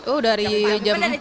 oh dari jam empat udah bangun